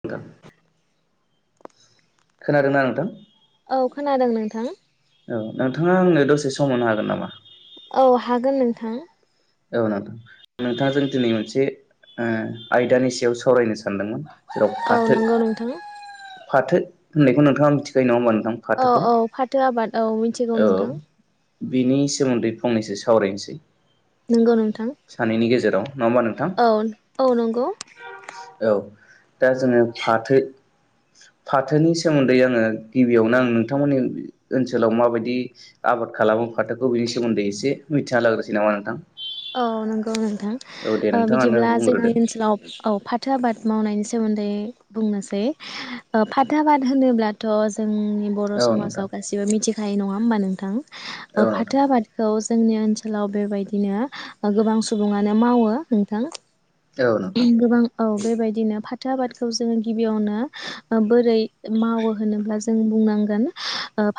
नोंथां खोनादोंना नोंथां औ खोनादों नोंथां औ नोंथाङा आंनो दसे सम होनो हागोन नामा औ हागोन नोंथां औ नोंथां नोंथां जों दिनै मोनसे आयदानि सायाव सावरायनो सानदोंमोन जेराव औ फाथो नंगौ नोंथां फाथो होननायखौ नोंथाङा मिथिखयो नङा होनबा औ औ फाथो आबाद औ मिथिगौ औ नोंथां बिनि सोमोन्दै फंनैसो सावरायनोसै नंगौ नोंथां सानैनि गेजेराव नङा होमबा नोंथां औ औ नंगौ औ दा जोङो फाथो फाथोनि सोमोन्दै आङो गिबियावनो आं नोंथांमोननि ओनसोलाव माबायदि आबाद खालामो फाथोखौ बिनि सोमोन्दै एसे मिथिना लागोसै नामा नोंथां औ नंगौ नं औ दे नोंथाङानो बिदिब्ला बुंग्रोदो जोंनि ओनसोलाव औ फाथो आबाद मावनायनि सोमोन्दै बुंनोसै फाथो आबाद होनोब्लाथ' जों बर' औ नोंथां समाजाव गासिबो मिथि खायो नङा होमबा नोंथां औ नोंथां फाथो आबादखौ जोंनि ओनसोलाव बेबायदिनो गोबां सुबुङानो मावो नोंथां औ नोंथां गोबां औ बेबायदिनो फाथो आबादखौ जोङो गिबियावनो बोरै मावो होनोब्ला जों बुंनांगोन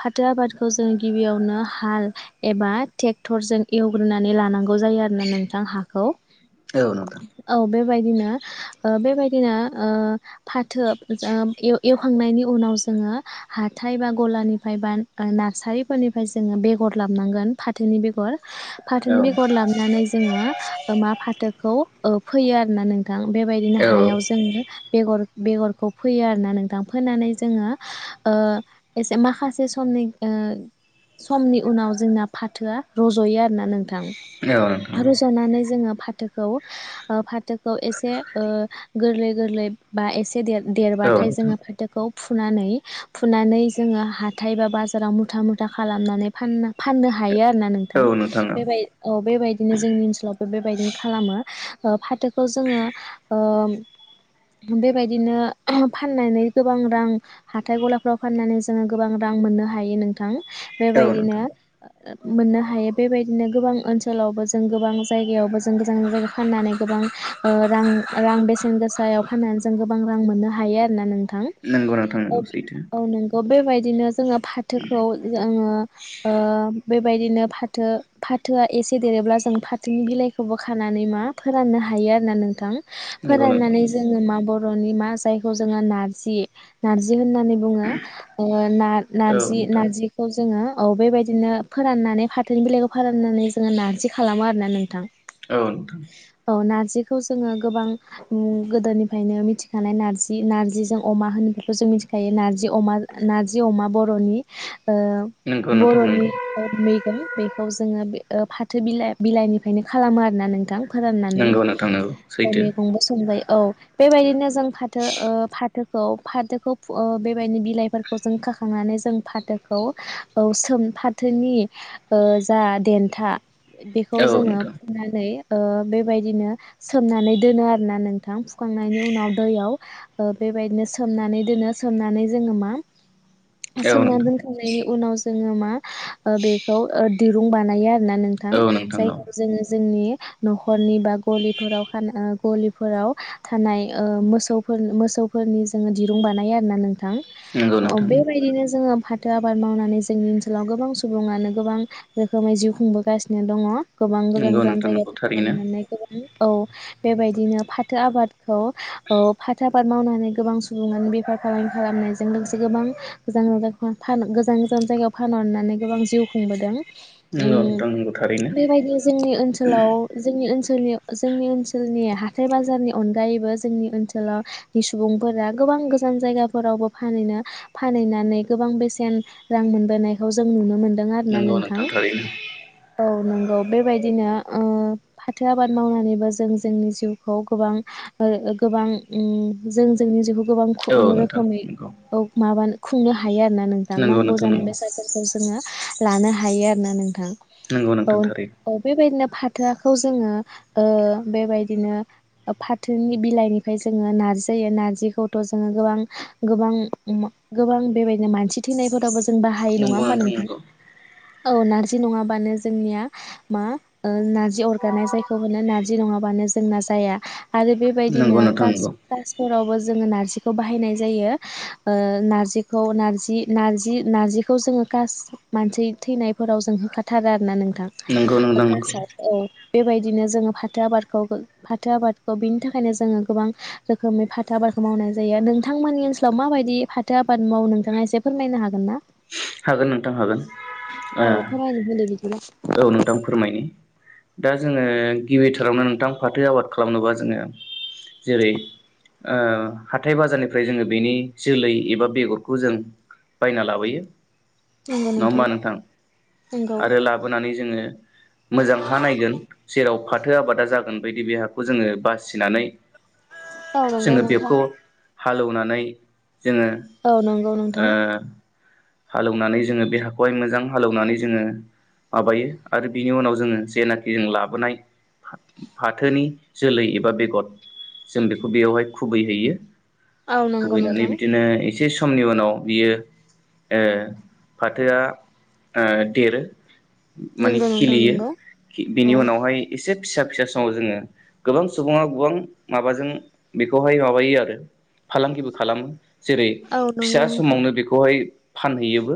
फाथो आबादखौ जोंङो गिबियावनो हाल एबा ट्रेक्टर जों एवग्रोनानै लानांगोन नांगौ जायो आरो ना नोंथां हाखौ औ नोंथां औ बेबायदिनो बेबायदिनो फाथो एवखांनायनि उनाव जोङो हाथाय बा गलानिफ्राय बा नारसारिफोरनिफ्राय जोङो बेगर लाबोनां गोन फाथोनि बेगर औ फाथोनि बे र लाबनानै जोङो मा फाथोखौ फैयो आरो अनानै नोंथां बेबायदिनो औ हायाव जोङो बेगर बेगरखौ फोयो आरोना नोंथां फोनानै जोङो एसे माखासे समनि समनि उनाव जोंना फाथोआ रज'यो आरोना नोंथां नोंथां रज'नानै जोङो फाथोखौ फाथो खौ एसे ओ गोरलै गोरलै बा एसे गेदेर औ देरबाथाय नोंथां जोङो फाथोखौ फुनानै फुनानै जोङो हाथाय बा बाजाराव मुथा मुथा खालामनानै फान फाननो हायो आरो ना नोंथां बे बाय औ बे बायदिनो जोंनि ओनसोलावबो बेबायदिनो खालामो ओ फाथोखौ जोङो बेबायदिनो फाननानै गोबां रां हाथाय गलाफ्राव फाननानै जोङो गोबां रां मोननो हायो नोंथां औ बेबायदिनो नोंथां मोननो हायो बेबायदिनो गोबां ओनसोलावबो जों गोबां जायगायावबो जों गोजान जायगायाव फाननानै ओ गोबां रां रां बेसेन गोसायाव फाननानै जों गोबां रां मोननो हायो आरोना नों नांगौ नोंथां नांगौ सैथो बेबायदिनो जोङो फाथोखौ जोङो ओ बेबायदिनो फाथो फा थोआ एसे देरोब्ला जों फाथोनि बिलाइखौबो खानानै मा फोराननो हायो आरोना नोंथां नंगौ नोंथां फोराननानै नंगौ जोङो माब रनि [unintelligible] मा जायखौ जोङो नारजि होननानै बुङो। ओ औ नारजि नोंथां नारजिखौ जोङो औ बेबायदिनो फोराननानै फाथोनि बिलाइखौ फोरान होननानै जोङो नारजि खालामो आरोना नोंथां औ नोंथां जिखौ जोङो गोबां गोदोनिफ्रायनो मिथिखानाय नारजि नारजिजों अमा होनफोरखौ जों मिथिखायो नारजि अमा नारजि अमा बर'नि ओ नंगौ नोंथां नंगौ बर'नि मैगं मै जोङो बे फाथो बिलाइ बिलाइनिफ्रायनो खालामो आरोना नोंथां फोराननानै नंगौ नोंथां नंगौ सैथो मैगंबो संबाय औ बेबायदिनो जों फोथा ओ फाथोखौ फाथोखौ ओ बेबायदिनो बिलाइफोरखौ जों खाखांनानै जों फाथोखौ औ सोम फाथोनि जा देथा बेखौ औ जोङो नोंथां फुनानै ओ बेबायदिनो सोमनानै दोनो आरो ना नोंथां सुखांनायनि उनाव दैयाव ओ बेबायदिनो सोमनानै दोनो सोमनानै जोङो मा औ सोमनानै नोंथां दोनखांनायनि उनाव जोङो मा ओ बेखौ ओ दिरुं बानायो आरो होनना नोंथां औ औ जायगायाव जोङो जोंनि न'खरनि बा गलिफोराव ओ गलिफोराव थानाय मोसौफोर मोसौफोरनि जोङो दिरुं बानायो आरोना नोंथां नंगौ [unintelligible] नोंथां बेबायदिनो जोङो [unintelligible] आबाद मावनानै जोंनि ओनसोलाव गोबां सुबुङानो गोबां रोखोमै जिउ खुंबोगासिनो दङ गोबां गोजान नंगौ गोजान नोंथां नंगौ थारैनो जायगायाव [unintelligible] गोबां औ बेबायदिनो फाथो आबादखौ औ फाथो आबाद मावनानै गोबां सुबुङानो बेफार फालांगि खालामनायजों लोगोसे गोबां गोजान गोानान गोजान गोजान जायगायाव फानहरनानै गोबां जिउ खुंबोदों नंगौ ओम नोंथां नंगौ थारैनो बेबायदिनो जोंनि ओनसोलाव जोंनि ओनसोल ओनि जोंनि ओनसोलनि हाथाय बाजारनि अनगायैबो जोंनि ओनसोलाव सुबुंफोरा गोबां गोजान जायगाफोरावबो फानहैनो फानहैनानै गोबां बेसेन रां मोनबोनायखौ जों नुनो मोनो [unintelligible] आरो नोंथां थांथारैनो [unintelligible] नोंगै बेबायदिनो ओ फाथो आबाद मावनानैबो जों जोंनि जिउखौ गोबां ओ गोबां ओ जोंनि जिउखौ [unintelligible] गोबां औ [unintelligible] नोंथां रोखोमै नंगौ माबानो खुंनो हा थायो आरोना नोंथां नंगौ नांगौ नंगौ जानाय बेसादफोरखौ जोङो लानो हायो आरो ना नोंथां नंगौ औ नोंथां थारैनो औ बेबायदिनो फाथो [unintelligible] [unintelligible] जोङो ओ बेबायदिनो फाथोनि बिलाइनिफ्राय जोङो नारजि जायो नारजिखौथ' जोङो गोबां गोबां गोबां बेबायदिनो मानसि थैनायफोरावबो जों बाहाय नङा नंगौ होमबा नोंथां नंगौ औ नारजि नङाबानो जोंनिया मा नारजि अरगानाय जायखौ मोनो नारजि नङाबानो जोंना जाया आरो नंगौ बेबायदिनो नोंथां कास नंगौ कासफरावबो जोङो नारजिखौ बाहायनाय जायो ओ नारजिखौ नारजि नारजि नारजिखौ जों काश मानसि थैनाय फोराव जों होखाथारो आरो नोंथां नंगौ नोंथां नंगौ [unintelligible] [unintelligible] औ बेबायदिनो जोङो फाथो आबादखौ फाथो आबादखौ बिनि थाखायनो जोङो गोबां रोखोमै फाथो आबादखौ मावनाय जायो नोंथांमोननि ओनसोलाव माबायदि फाथो आबाद मावो नोंथाङा एसे फोरमायनो हागोन ना हागोन नोंथां हागोन ओ औ फोरमायनो होदो बिदिब्ला औ नोंथां फोरमायनि दा जोङो गिबिथारावनो नोंथां फाथो आबाद खालामनोबा जोङो जेरै हाथाय बाजारनिफ्राय जोङो बेनि जोलै एबा बेगरखौ जों बायना लाबोयो। [inaudible] नङा होमबा नोंथां नंगौ आरो लाबोनानै जोङो मोजां हा नायगोन जेराव फाथो आबादा जागोन बिदि हाखौ जोङो बासिनानै औ नंगौ जोङो बेखौ नोंथां। हालौनानै जोङो औ नंगौ नोंथां। हालौवनानै जोङो बे हाखौहाय मोजां हालौवनानै जोङो माबायो आरो बिनि उनाव जोङो जेनाखि जों लाबोनाय फाथोनि जोलै एबा बेगर जों बेखौ बेयावहाय खुबैहैयो। औ नंगौ खुबैनानै नोंथां बिदिनो एसे समनि उनाव बियो ओ फाथोआ ओ देरो। माने नंगौ नोंथां खिलियो नंगौ बेनि औ उनावहाय एसे फिसा फिसा समाव जोङो गोबां सुबुङा गोबां माबाजों बेखौहाय माबायो आरो फालांगिबो खालामो। जेरै औ नंगौ फिसा नोंथां समावनो बेखौहाय फानहैयोबो।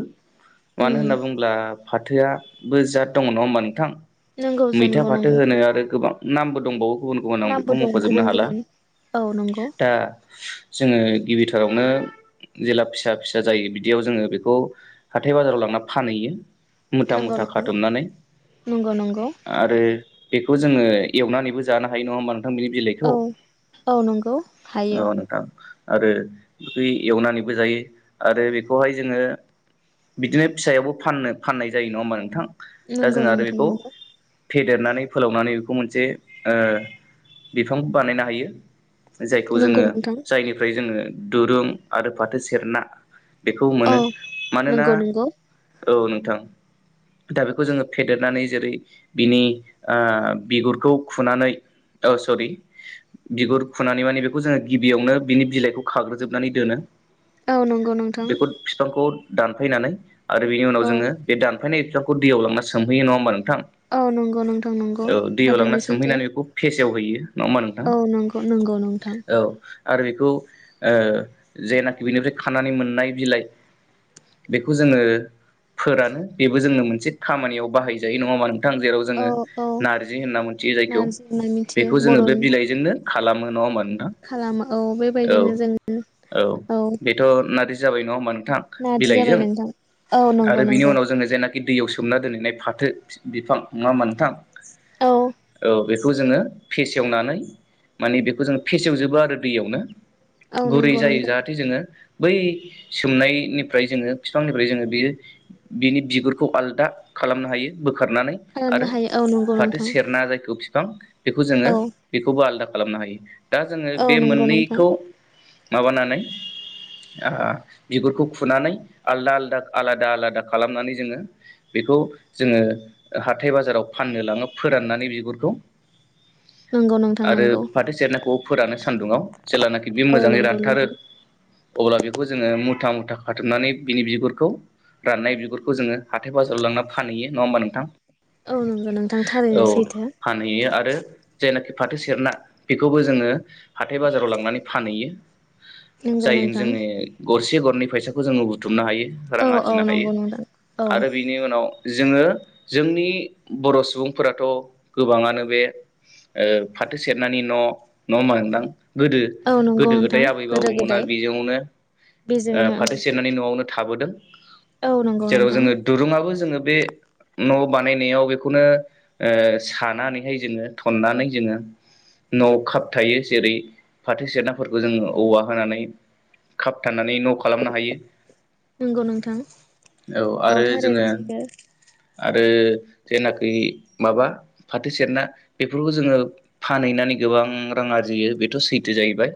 मानो उम होनना बुंब्ला फाथोआबो जाद दङ नङा होमबा नोंथां? नंगौ मैथा नंगौ फाथो नंगौ होनो आरो गोबां नामबो दंबावो गुबुन- गुबुन आं बेखौ नामबो दं मख'जोबनो गुबुन हाला गुबुन औ नंगौ दा जोङो गिबिथारावनो जेला फिसा -फिसा जायो बिदियाव जोङो बेखौ हाथाय बाजाराव लांना फानहैयो। मुथा- नंगौ मुथा नोंथां खाथुमनानै नंगौ नंगौ आरो बेखौ जोङो एवनानैबो जानो हायो नङा होमबा नों बिनि बिलाइखौ। औ औ नंगौ औ हायो नोंथां। आरो बै एवनानैबो जायो आरो बेखौहाय जोङो बिदिनो फिसायावबो फाननो फाननाय जायो नङा होमबा नोंथां? दा नंगौ जों आरो नोंथां बेखौ नंगौ फेदेरनानै फोलावनानै मोनसे ओ बिफां बानायनो हायो। जायखौ जोङो नंगौ नोंथां जायनिफ्राय जोङो दुरुं आरो फाथो सेरना बे खौ औ मोनो। मानोना नंगौ नंगौ औ नोंथां दा बेखौ जोङो फेदेरनानै जेरै बिनि आ बिगुरखौ खुनानै अ सरि बिगुर खुनानै माने बेखौ जोङो गिबियावनो बिनि बिलाइखौ खाग्रोजोबनानै दोनो। औ नंगौ नों- बेखौ फिफांखौ दानफायनानै आरो बिनि उनाव औ जोङो बे दानफायनाय फिफां खौ दैयाव लांना सोमहैयो नङा होमबा नों थां नंगौ नोंथां नंगौ औ दैयाव थारैनो लांना सैथो सोमहैनानै बेखौ फेसेवहैयो। नङा होमबा नोंथां औ नंगौ नंगौ नोंथां। औ आरो बेखौ ओ जेनाखि बेनिफ्राय खानानै मोननाय बिलाइ बेखौ जोङो फोरानो बेबो जोङो मोनसे खामानियाव बाहायजायो नङा होमबा नों थां जेराव औ जोङो औ नारजि होनना मिथियो जायखौ नारजि होनना मिथियो बेखौ जोङो बे बर'नि बिलाइजोंनो खालामो नङा होमबा नोंथां खालामो औ औ बेबायदिनो जों औ। बेथ' नारजि जाबाय नङा होमबा नोंथां नारजि बिलाइजों जाबाय नोंथां औ नंगौ आरो बिनि नंगौ उनाव जोङो जेनाखि दैयाव सोमना दोनहैनाय फाथ फाथो बिफां नङा होमबा नोंथां? औ औ बे बेखौ जोङो फेसेवनानै माने बेखौ जोङो फेसेवजोबो आरो दैयावनो। औ गुरै नंगौ जायो नोंथां जाहाथे जोङो बै सोमनायनिफ्राय जोङो बिफांनिफ्राय जोङो बियो बिनि बिगुरखौ आलादा खालामनो हायो बोख बोखारनानै खालामनो आरो हायो औ नंगौ फाथो नोंथां सेरना जायखौ थां बेखौ जोङो औ बेखौबो आलदा खालामनो हायो। दा जोङो औ बे नंगौ नोंथां मोननैखौ माबानानै ओ बिगुरखौ खुनानै आलादा आलादा आलादा आलादा खालामनानै जोङो बेखौ जोङो हाथाय बाजाराव फाननो लाङो फोराननानै बिगुरखौ। नंगौ नोंथां आरो नंगौ फाथो सेरनाखौ फोरानो सान्दुंआव जेेलानाखि बे औ मोजाङै नंगौ रानथारो नोंथां अब्ला बेखौ मुथा मुथा खाथुमनानै बिनि बिगुरखौ राननाय बिगुरखौ जोङो हाथाय बाजाराव लांनानै फानहैयो नङा होमबा नोंथा? औ नंगौ नोंथां औ थारैनो सैथो फानहैयो आरो जायनाखि फाथो सेरना बेखौबो जोङो हाथाय बाजाराव लांनानै फानहैयो। नंगौ जाय नोंथां जोंनि गरसे गरनै फैसाखौ जोङो औ रां औ आरजिनो हायो नंगौ नोंथां औ आरो बिनि उनाव जोङो जोंनि बर' सुबुंफोराथ' गोबाङानो बे ओ फाथो सेरनानै न' नङा होमबा नोंदां? गोदो औ नंगौ गोदो नोंथां गोदाय आबै गोदो आबौमोना गोदाय बेयावनो ओ बेजोंनो फाथो सेरनानि न'आव मावनो थाबोदों। ओं औ नंगौ जेराव नोंथां जोङो दुरुंङाबो जोङो बे न' बानायनायाव बेखौनो ओ सानानैहाय जोङो थननानै जोङो न'आव खाबथायो जेरै फाथो सेराफोरखौ जोङो औवा होनानै खाबथा नानै न' खालामनो हायो। नंगौ नोंथां औ आरो थारैनो जोङो सैथो आरो जेनाखि माबा फाथो सेरना बेफोरखौ जोङो फानहैनानै गोबां रां आरजियो बेथ' सैथो जायैबाय।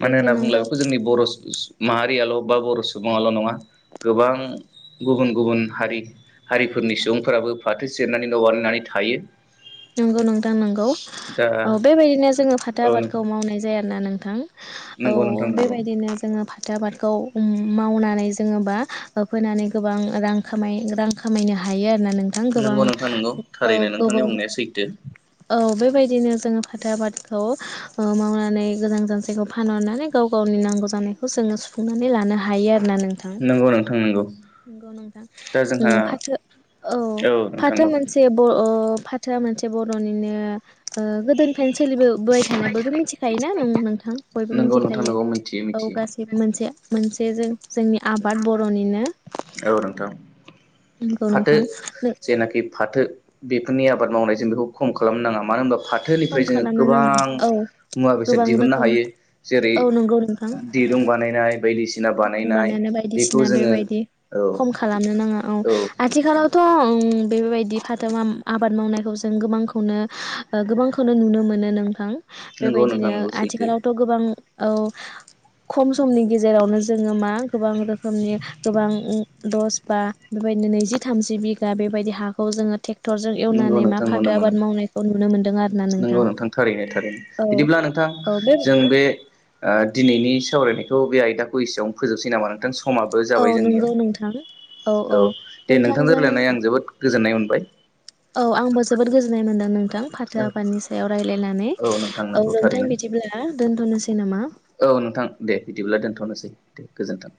मानो होनना बुंब्ला नंगौ बेखौ जोंनि बर' सु माहारियाल' बा बर' सुबुल' नङा गोबां गुबुन गुबुन हारि हारिफोरनि सुबुंफोराबो फाथो सेरनानै न' बानायनानै थायो। नंगौ नोंथां नंगौ दा औ बेबायदिनो जोङो फाथो औ आबादखौ नोंथां मावनाय जायाना नों थां। औ नंगौ नोंथां नंगौ बेबायदिनो जोङो फा थो आबादखौ ओम मावनानै जोङोबा फोनानै गोबां रां खामाय रां खामायनो हायो आरो। ना नोंथां गोबां नंगौ औ गोबाव थो। औ बेबायदिनो जों फाथो आबादखौ ओ मावनानै गोजान जानसेखौ फानहरनानै गाव गावनि नांगौ जानायखौ जोङो सुफुंनानै लानो हायो आरो ना नोंथां। नंगौ नोंथां नंगौ नोंथां दा जोंहा ओम फाथो औ नोंथां फाथो औ मोनसे अ फाथोआ मोनसे ब बर'निनो ओ गोदोनिफ्रायनो सोलिबोबोबाय थानाय बयबो मिथिखायो ना नों-नोंथां बयबो नंगौ नोंथां मिथिखायो नंगौ मिथियो औ मिथियो गासैबो मोनसे मोनसे जे जों-जोंनि आबाद बर'निनो औ नोंथां। नंगौ फाथो नोंथां जेनाखि फाथो बेफोरनि आबाद मावनायजों बेखौ खम खालामनो नाङा मानो होनबा खम फाथोनिफ्राय जोङो खालामनो नाङा गोबां औ मुवा बेसाद गोबां दिहुननो रोखोम हायो जेरै औ नंगौ नोंथां दिरुं बानायनाय बायदिसि दिरुं बानायानो बायदिसिना बेबायदि औ खम खालामनो नाङा औ। आथिखालाव थ' ओ बेबायदि फाथो मा आबाद मावनायखौ जों गोबांखौनो गोबांखौनो नुनो मोनो नोंथां। नंगौ नोंथां बेबायदिनो नंगौ सैथो आथिखालावथ' गोबां औ खम समनि गेजेरावनो जोङो मा गोबां रोखोमनि गोबां दस बा बेबायदिनो नैजि थामजि बिगा बेबायदि हाखौ जोङो टे क्ट'रजों नंगौ एवनानै मा फाथो आबाद मावनायखौ नुनो मोनदों आरो। नोंगौ नोंथां थारैनो थारैनो औ बिदिब्ला नोंथां जों बे ओ दिनै नि सावरायनायखौ बे आयदाखौ एसेबनो फोजोबसै नोंथां स समाबो औ जाबाय जोंनिया। नंगौ नोंथां औ दे नोंथांजों रायलायनानै आं जोबोद गोजोननाय मोन ओमफ्राय औ आंबो जोबोद गोजोननाय मोनदों नों जों फाथो औ आबादनि सायाव रायलायनानै औ नोंथां औ नंगौ नोंथां थारैनो बिदिब्ला दोनथ'नोसै नामा? औ नोंथां दे बिदिब्ला दोनथ'नोसै दे गोजोन्थों।